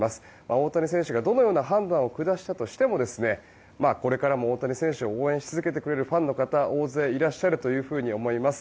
大谷選手がどのような判断を下したとしてもこれからも大谷選手を応援し続けてくれるファンの方は大勢いらっしゃると思います。